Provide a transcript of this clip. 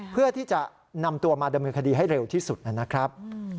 เพื่อที่จะนำตัวมาดำเนินคดีให้เร็วที่สุดนะครับ